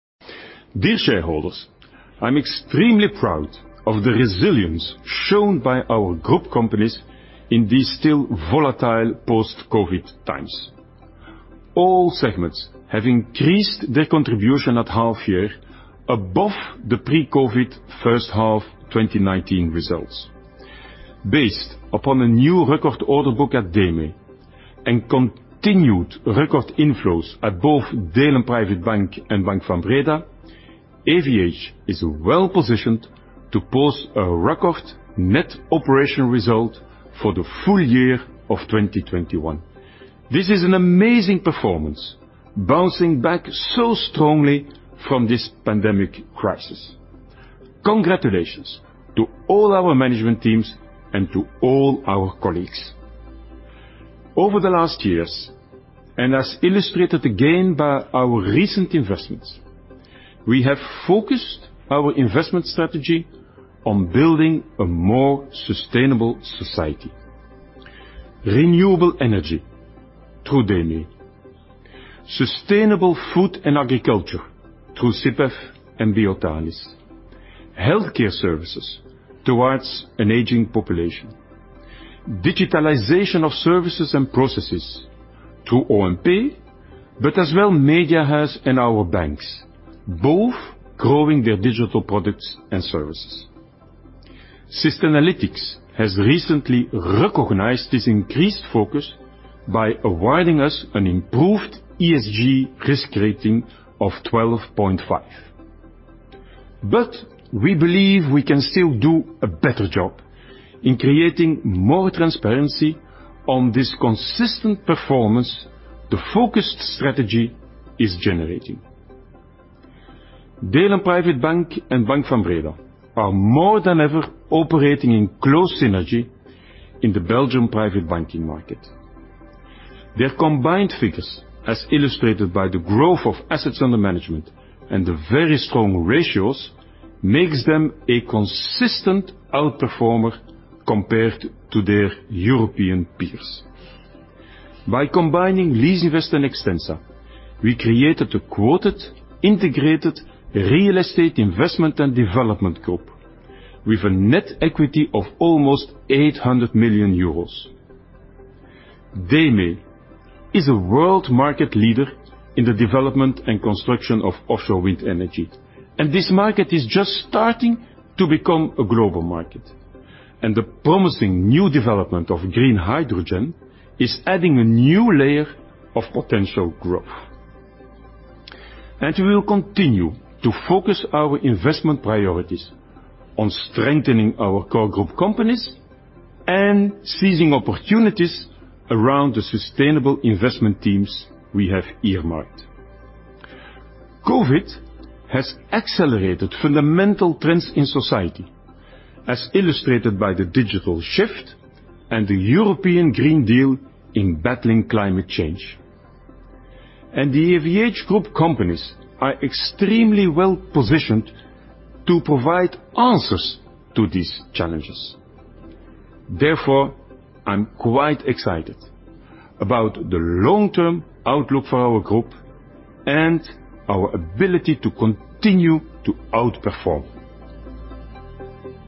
Dear shareholders, I'm extremely proud of the resilience shown by our group companies in these still volatile post-COVID times. All segments have increased their contribution at half year above the pre-COVID first half 2019 results. Based upon a new record order book at DEME and continued record inflows at both Delen Private Bank and Bank Van Breda, AVH is well-positioned to post a record net operating result for the full year of 2021. This is an amazing performance, bouncing back so strongly from this pandemic crisis. Congratulations to all our management teams and to all our colleagues. Over the last years, and as illustrated again by our recent investments, we have focused our investment strategy on building a more sustainable society. Renewable energy through DEME, sustainable food and agriculture through SIPEF and Biotalys, healthcare services towards an aging population, digitalization of services and processes through OMP, but as well Mediahuis and our banks, both growing their digital products and services. Sustainalytics has recently recognized this increased focus by awarding us an improved ESG risk rating of 12.5. We believe we can still do a better job in creating more transparency on this consistent performance the focused strategy is generating. Delen Private Bank and Bank Van Breda are more than ever operating in close synergy in the Belgian private banking market. Their combined figures, as illustrated by the growth of assets under management and the very strong ratios, makes them a consistent outperformer compared to their European peers. By combining Leasinvest and Extensa, we created a quoted, integrated real estate investment and development group with a net equity of almost 800 million euros. DEME is a world market leader in the development and construction of offshore wind energy. This market is just starting to become a global market. The promising new development of green hydrogen is adding a new layer of potential growth. We will continue to focus our investment priorities on strengthening our core group companies and seizing opportunities around the sustainable investment teams we have earmarked. COVID has accelerated fundamental trends in society, as illustrated by the digital shift and the European Green Deal in battling climate change. The Ackermans & Van Haaren group companies are extremely well-positioned to provide answers to these challenges. Therefore, I'm quite excited about the long-term outlook for our group and our ability to continue to outperform.